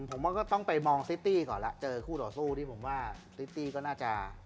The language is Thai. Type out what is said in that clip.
ผมว่าก็ต้องไปมองซิตี้ก่อนแล้วเจอคู่ต่อสู้ที่ผมว่าซิตี้ก็น่าจะ